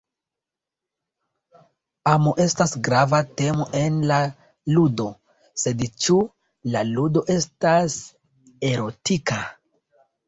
Amo estas grava temo en la ludo, sed ĉu la ludo estas erotika?